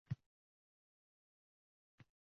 Monitorda ko‘rsatuvning sharti e’lon qilinadi.